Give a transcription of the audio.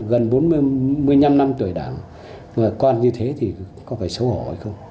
gần bốn mươi năm năm tuổi đảng và con như thế thì có phải xấu hổ hay không